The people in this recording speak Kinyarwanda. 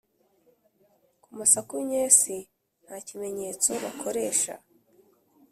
ku masaku nyesi nta kimenyetso bakoresha